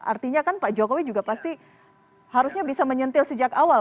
artinya kan pak jokowi juga pasti harusnya bisa menyentil sejak awal